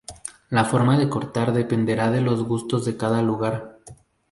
La forma de cortar dependerá de los gustos de cada lugar.